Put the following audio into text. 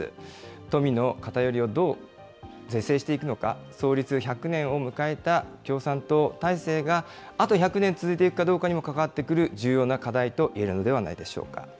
富の偏りをどう是正していくのか、創立１００年を迎えた共産党体制が、あと１００年続いていくかどうかにも関わってくる重要な課題といえるのではないでしょうか。